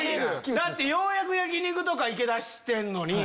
だってようやく焼き肉とか行けだしてんのに。